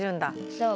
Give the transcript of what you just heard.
そう。